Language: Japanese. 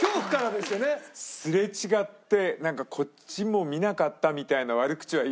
すれ違ってこっちも見なかったみたいな。